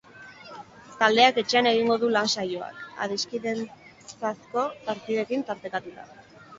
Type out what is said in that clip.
Taldeak etxean egingo du lan-saioak, adiskidantzazko partidekin tartekatuta.